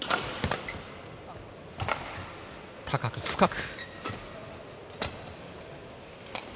高く深く。